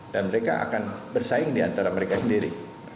dan mereka akan bersaing di antara mereka sendiri